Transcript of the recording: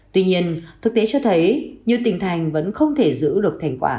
tuy nhiên thực tế cho thấy nhiều tình thành vẫn không thể giữ được thành quả